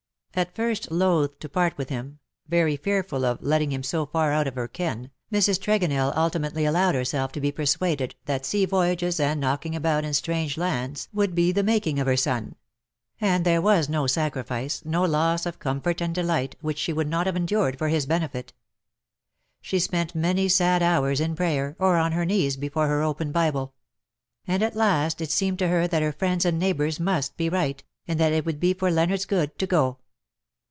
^' At first loth to part with him, very fearful of 20 THE DAYS THAT ARE NO MORE. letting him so far out of her keri^ Mrs. Tregorieli ultimately allowed herself to be persuaded that sea voyages and knocking about in strange lands would be the making of her son ; and there was no sacrifice, no loss of comfort and delight, which she would not have endured for his benefit. She spent many sad hours in prayer, or on her knees before her open Bible ; and at last it seemed to her that her friends and neighbours must be right, and that it would be for Leonardos good to go.